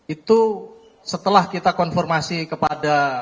itu setelah kita konfirmasi kepada